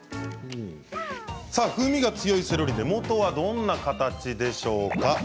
風味が強いセロリ根元はどんな形でしょうか。